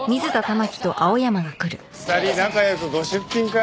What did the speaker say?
２人仲良くご出勤か？